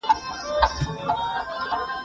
زه زده کړه نه کوم!